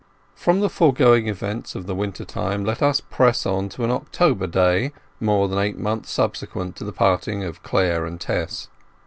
XLI From the foregoing events of the winter time let us press on to an October day, more than eight months subsequent to the parting of Clare and Tess.